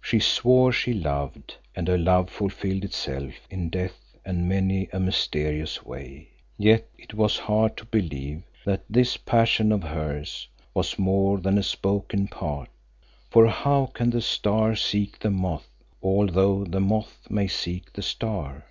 She swore she loved and her love fulfilled itself in death and many a mysterious way. Yet it was hard to believe that this passion of hers was more than a spoken part, for how can the star seek the moth although the moth may seek the star?